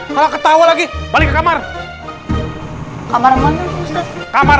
kalau ketawa lagi balik ke kamar kamar